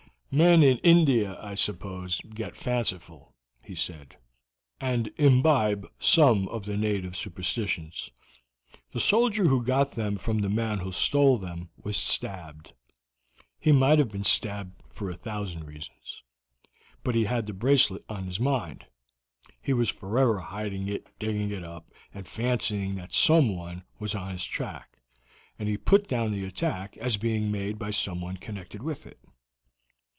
"Men in India, I suppose, get fanciful," he said, "and imbibe some of the native superstitions. The soldier who got them from the man who stole them was stabbed. He might have been stabbed for a thousand reasons, but he had the bracelet on his mind. He was forever hiding it and digging it up, and fancying that someone was on his track, and he put down the attack as being made by someone connected with it.